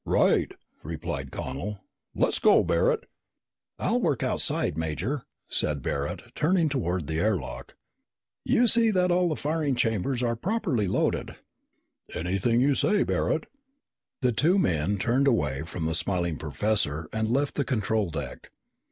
"Right," replied Connel. "Let's go, Barret!" "I'll work outside, Major," said Barret, turning toward the air lock. "You see that all the firing chambers are properly loaded." "Anything you say, Barret." The two men turned away from the smiling professor and left the control deck.